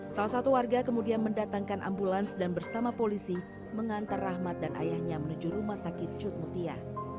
salah satu warga kemudian mendatangkan ambulans dan bersama polisi mengantar rahmat dan ayahnya menuju rumah sakit cutmutia